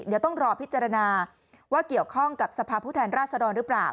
เดี๋ยวต้องรอพิจารณาว่าเกี่ยวข้องกับสภาพผู้แทนราชดรหรือเปล่า